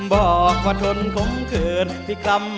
บอกว่าทนขำเกินพิกรรม